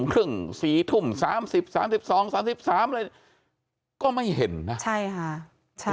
ก็ไม่เห็นนะ